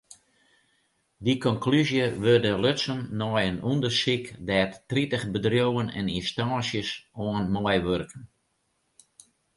Dy konklúzje wurdt lutsen nei in ûndersyk dêr't tritich bedriuwen en ynstânsjes oan meiwurken.